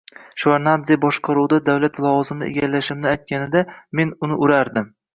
Shevardnadze boshqaruvida davlat lavozimini egallashimni aytganida, men uni urardim